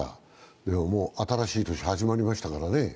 でももう新しい年が始まりましたからね。